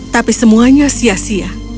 tapi semuanya sia sia